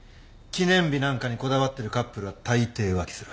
記念日なんかにこだわってるカップルはたいてい浮気する。